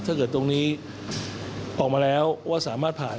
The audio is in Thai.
ตรงนี้ออกมาแล้วว่าสามารถผ่าน